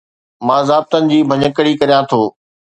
مان ضابطن جي ڀڃڪڙي ڪريان ٿو